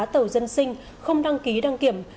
tàu dân sinh không đăng ký đăng kiểm